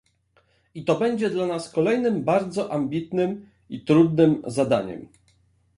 I to będzie dla nas kolejnym bardzo ambitnym i trudnym zadaniem